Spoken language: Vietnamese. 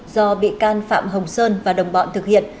do bị can phạm hồng sơn và đồng bọn thực hiện